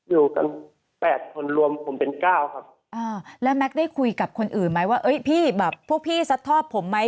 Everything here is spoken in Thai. อยู่กันแปดคนรวมผมเป็นเก้าครับอ่าแล้วแก๊กได้คุยกับคนอื่นไหมว่าเอ้ยพี่แบบพวกพี่ซัดทอดผมไหม